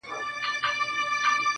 ته خو له هري ښيښې وځې و ښيښې ته ورځې,